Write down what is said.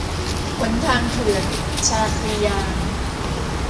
หนทางเถื่อน - ชาครียา